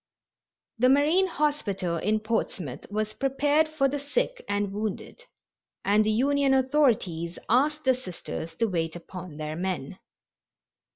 The Marine Hospital in Portsmouth was prepared for the sick and wounded, and the Union authorities asked the Sisters to wait upon their men.